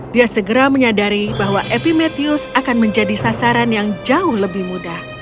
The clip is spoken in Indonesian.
dia segera menyadari bahwa epimetheus akan menjadi sasaran yang jauh lebih mudah